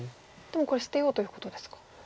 もうこれ捨てようということですか。